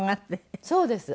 そうです。